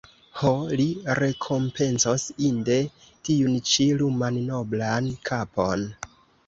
Ho, li rekompencos inde tiun ĉi luman noblan kapon!